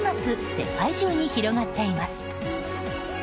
世界中に広がっています。